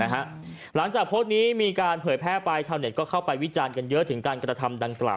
หลังจากโพสต์นี้มีการเผยแพร่ไปชาวเน็ตก็เข้าไปวิจารณ์กันเยอะถึงการกระทำดังกล่าว